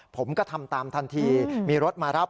ผมก็ทำตามทันทีมีรถมารับ